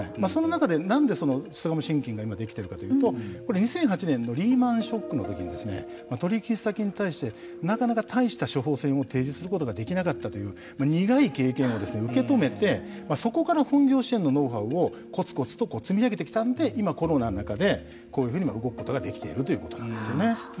その中でなんですがもし信金ができているかというとこれ２００８年のリーマンショックのときに取引先に対してなかなか大した処方箋を提示することができなかったという苦い経験を受け止めてそこから本業支援のノウハウをコツコツと積み上げてきたので今コロナの中でこういうふうに動くことができているということなんですよね。